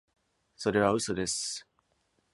それは嘘です！